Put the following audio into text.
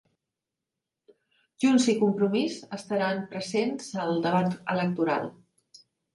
Junts i Compromís estaran presents al debat electoral